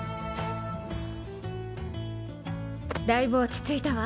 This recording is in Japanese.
・だいぶ落ち着いたわ。